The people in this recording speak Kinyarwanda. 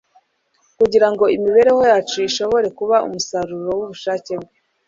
kugira ngo imibereho yacu ishobore kuba umusaruro w’ubushake Bwe